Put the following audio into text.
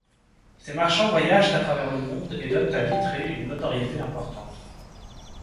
Ces marchands voyagent à travers le monde et donnent à Vitré une notoriété importante.